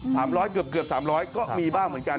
ถามร้อยเกือบ๓๐๐ก็มีบ้างเหมือนกัน